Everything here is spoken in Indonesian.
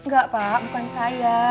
gak pak bukan saya